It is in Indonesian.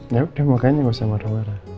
ya udah makanya nggak usah marah marah